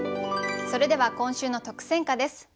それでは今週の特選歌です。